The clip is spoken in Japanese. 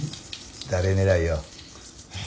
誰狙いよ？